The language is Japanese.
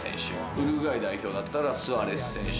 ウルグアイ代表だったらスアレス選手。